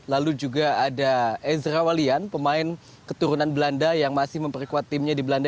lalu juga ada ezra walian pemain keturunan belanda yang masih memperkuat timnya di belanda